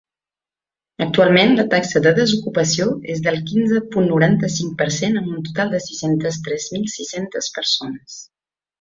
Actualment la taxa de desocupació és del quinze punt noranta-cinc per cent amb un total de sis-centes tres mil sis-centes persones.